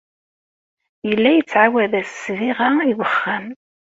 Yella yettɛawad-as ssbiɣa i wexxam.